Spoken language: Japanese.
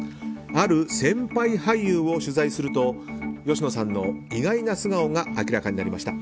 ある先輩俳優を取材すると吉野さんの意外な素顔が明らかになりました。